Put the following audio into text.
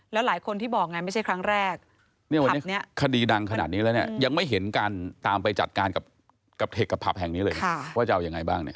แล้วหลายคนบอกอย่างไงไม่ใช่ครั้งแรก